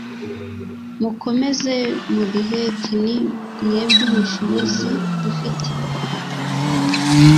mukomeze muduheke ni mwebwe bushobozi dufite